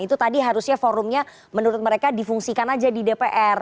itu tadi harusnya forumnya menurut mereka difungsikan aja di dpr